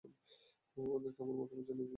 ওদেরকে আমার মতামত জানিয়ে দাও, প্লিজ।